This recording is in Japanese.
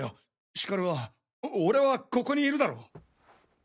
ヒカルは俺はここにいるだろ！